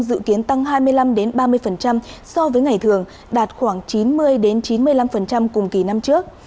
đường hàng không dự kiến tăng hai mươi năm ba mươi so với ngày thường đạt khoảng chín mươi chín mươi năm cùng kỳ năm trước